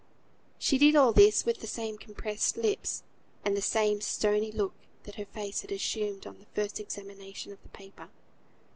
She did all this with the same compressed lips, and the same stony look that her face had assumed on the first examination of the paper.